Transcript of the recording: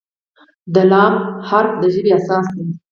د "ل" حرف د ژبې اساس دی.